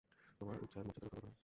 তোমরা উযযার মর্যাদা রক্ষা করবে না?